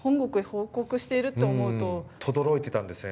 とどろいてたんですね